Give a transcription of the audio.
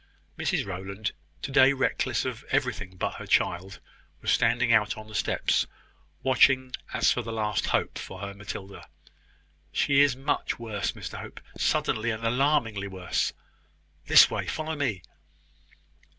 Mrs Rowland, to day reckless of everything but her child, was standing out on the steps, watching, as for the last hope for her Matilda. "She is much worse, Mr Hope; suddenly and alarmingly worse. This way: follow me."